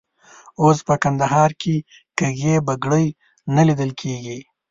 اوس په کندهار کې کږې بګړۍ نه لیدل کېږي.